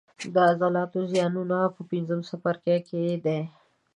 د عضلاتو زیانونه په پنځم څپرکي کې دي.